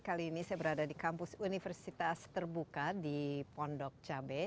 kali ini saya berada di kampus universitas terbuka di pondok cabai